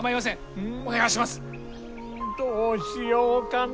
うんどうしようかな。